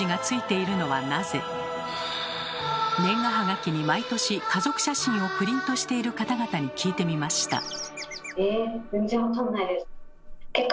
年賀はがきに毎年家族写真をプリントしている方々に聞いてみました。